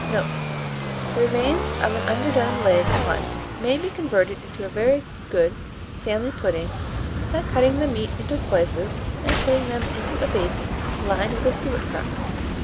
Note. The remains of an underdone leg of mutton may be converted into a very good family pudding, by cutting the meat into slices, and putting them into a basin lined with a suet crust.